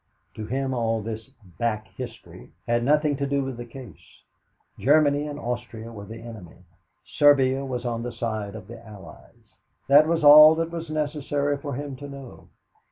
To him all this "back history" had nothing to do with the case. Germany and Austria were the enemy. Serbia was on the side of the Allies. That was all that was necessary for him to know.